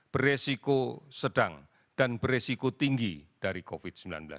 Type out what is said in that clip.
beresiko sedang dan beresiko tinggi dari covid sembilan belas